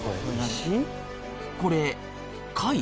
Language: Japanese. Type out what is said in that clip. これ貝？